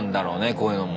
こういうのも。